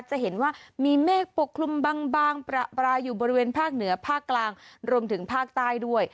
จะเห็นว่ามีเมฆปกคลุมบางประปรายอยู่บริเวณภาคเหนือภาคกลางรวมถึงภาคใต้ด้วย